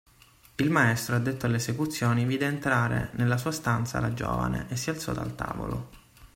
Il maestro addetto alle esecuzioni vide entrare nella sua stanza la giovane e si alzò dal tavolo.